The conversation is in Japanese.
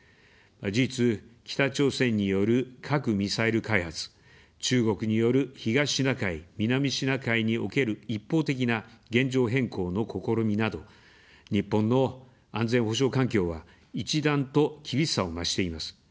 事実、北朝鮮による核・ミサイル開発、中国による東シナ海・南シナ海における一方的な現状変更の試みなど、日本の安全保障環境は、一段と厳しさを増しています。